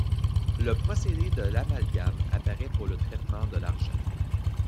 Le procédé de l'amalgame apparaît pour le traitement de l'argent.